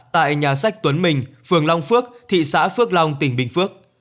tại nhà sách tuấn mình phường long phước thị xã phước long tỉnh bình phước